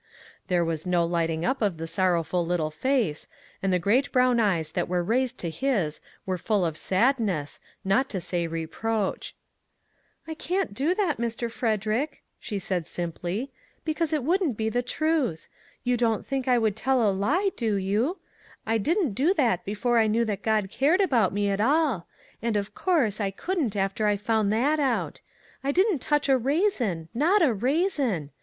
There was no lighting up of the sorrowful little face, and the great brown eyes that were raised to his were full of sadness, not to say reproach. " I can't do that, Mr. Frederick," she said simply, " because it wouldn't be the truth. You don't think I would tell a lie, do you ? I didn't do that before I knew that God cared about me at all; and, of course, I couldn't after I found that out. I didn't touch a raisin ; not a raisin